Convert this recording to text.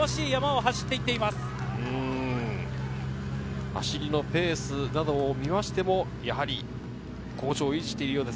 走りのペースなどを見ても好調を維持しているようです。